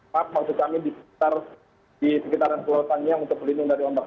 maksud kami di sekitar pulau tangiang untuk berlindung dari ombak